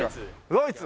ドイツ！